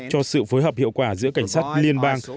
cho sự phối hợp hiệu quả giữa cảnh sát liên bang